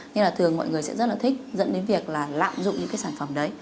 nên là thường mọi người sẽ rất là thích dẫn đến việc là lạm dụng những cái sản phẩm đấy